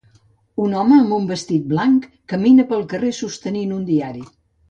Un home amb un vestit blanc camina pel carrer sostenint un diari.